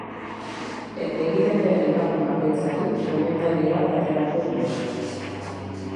Eta egiten den aipamen bakoitzari komentario bat aterako dio.